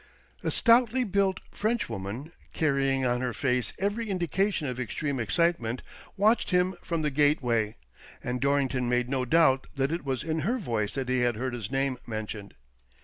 A stoutly built French 116 THE DOnniNGTON DEED BOX woman, carrying on her face every indication of extreme excitement, watched him from the gate way, and Dorrington made no doubt that it was in her voice that he had heard his name men tioned.